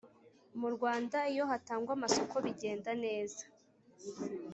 Mu Rwanda iyo hatangwa amasoko bi genda neza.